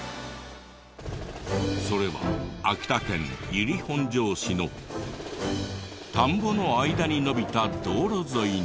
それは秋田県由利本荘市の田んぼの間に延びた道路沿いに。